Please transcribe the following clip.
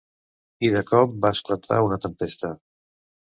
I de cop va esclatar una tempesta.